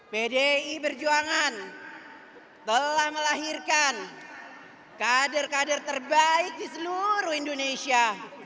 pdi perjuangan telah melahirkan kader kader terbaik di seluruh indonesia